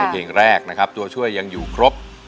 เพลงแรกนะครับตัวช่วยยังอยู่ครบ